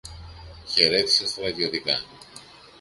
χαιρέτησε στρατιωτικά.